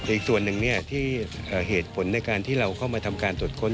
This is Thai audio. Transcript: อีกส่วนหนึ่งที่เหตุผลในการที่เราเข้ามาทำการตรวจค้น